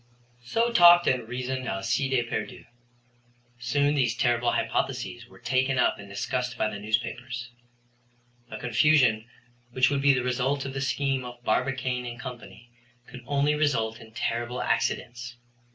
So talked and reasoned Alcide Pierdeux. Soon these terrible hypotheses were taken up and discussed by the newspapers. The confusion which would be the result of the scheme of Barbicane & Co. could only result in terrible accidents.